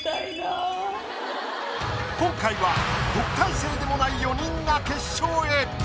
今回は特待生でもない４人が決勝へ。